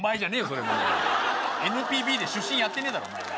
それもＮＰＢで主審やってねえだろ